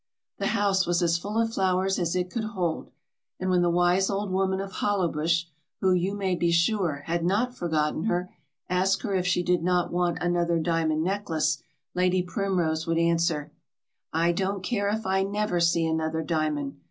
The house was as full of flowers as it could hold, and when the wise old woman of Hollowbush, who, you may be sure, had not forgotten her, asked her if she did not want another diamond necklace, Lady Primrose would answer: "I don't care if I never see another diamond.